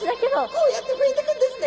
こうやって増えていくんですね。